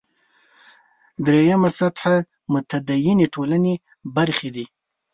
درېیمه سطح متدینې ټولنې برخې دي.